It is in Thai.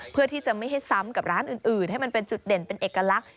เพื่อที่จะไม่ให้ซ้ำกับร้านอื่นให้มันเป็นจุดเด่นเป็นเอกลักษณ